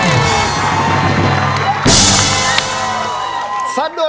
คุณโจ้รับแล้ว